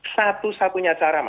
satu satunya cara mas